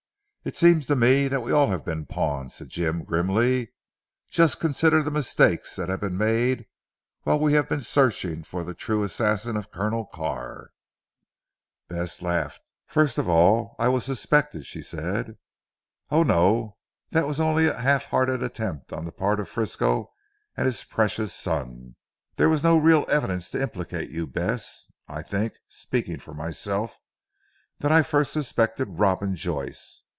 "It seems to me that we have all been pawns," said Jim grimly, "just consider the mistakes that have been made while we have been searching for the true assassin of Colonel Carr." Bess laughed. "First of all I was suspected," she said. "Oh, no; that was only a half hearted attempt on the part of Frisco and his precious son. There was no real evidence to implicate you Bess. I think speaking for myself that I first suspected Robin Joyce.